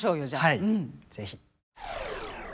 はい是非。